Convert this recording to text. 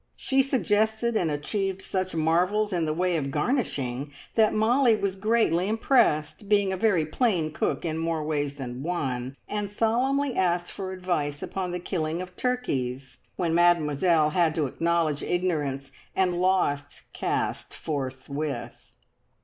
She suggested and achieved such marvels in the way of garnishing that Molly was greatly impressed, being a very plain cook in more ways than one, and solemnly asked for advice upon the killing of turkeys, when Mademoiselle had to acknowledge ignorance, and lost caste forthwith.